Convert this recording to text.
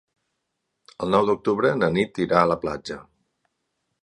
El nou d'octubre na Nit irà a la platja.